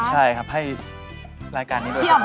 ใช่ครับให้รายการนี้โดยเฉพาะ